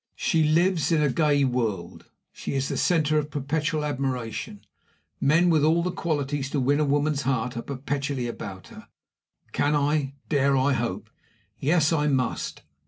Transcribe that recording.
She lives in a gay world she is the center of perpetual admiration men with all the qualities to win a woman's heart are perpetually about her can I, dare I hope? Yes, I must!